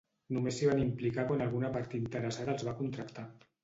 Només s'hi van implicar quan alguna part interessada els va contractar.